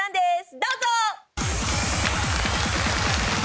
どうぞ！